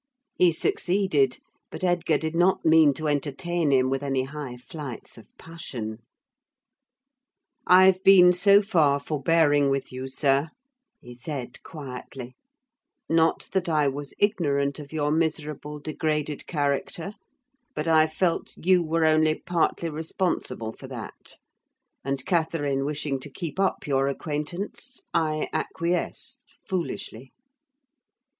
He succeeded; but Edgar did not mean to entertain him with any high flights of passion. "I've been so far forbearing with you, sir," he said quietly; "not that I was ignorant of your miserable, degraded character, but I felt you were only partly responsible for that; and Catherine wishing to keep up your acquaintance, I acquiesced—foolishly.